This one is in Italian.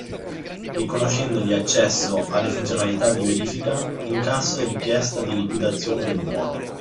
Riconoscendogli accesso alle funzionalità di verifica, incasso e richiesta di liquidazione del buono